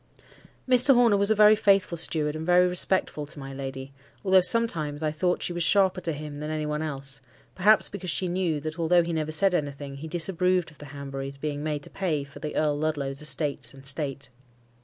Mr. Horner was a very faithful steward, and very respectful to my lady; although sometimes, I thought she was sharper to him than to any one else; perhaps because she knew that, although he never said anything, he disapproved of the Hanburys being made to pay for the Earl Ludlow's estates and state.